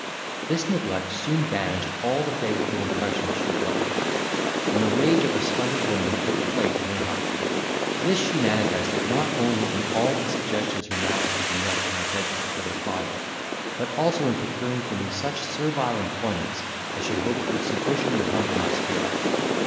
This neglect soon banished all the favourable impressions she felt for me, and the rage of a slighted woman took place in her heart; this she manifested not only in all the suggestions her malice could invent to my prejudice with her father, but also in procuring for me such servile employments as she hoped would sufficiently humble my spirit.